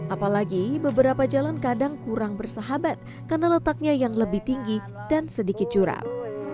apalagi beberapa jalan kadang kurang bersahabat karena letaknya yang lebih tinggi dan sedikit curam